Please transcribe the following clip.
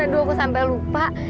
aduh aku sampai lupa